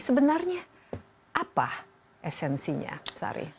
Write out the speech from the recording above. sebenarnya apa esensinya sari